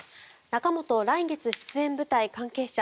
仲本、来月出演舞台関係者